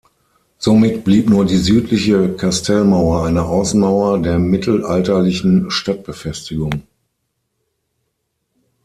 Somit blieb nur die südliche Kastellmauer eine Außenmauer der mittelalterlichen Stadtbefestigung.